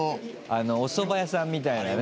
あのおそば屋さんみたいなね。